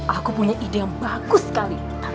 aku punya ide yang bagus sekali